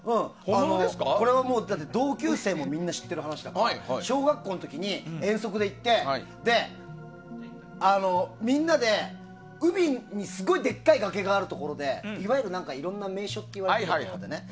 これは同級生もみんな知ってる話だから。小学校の時に遠足行ってみんなで海にすごいでかい崖があるところでいわゆる、いろんな名所って言われているところでね。